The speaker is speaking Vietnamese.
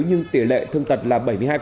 nhưng tỉ lệ thương tật là bảy mươi hai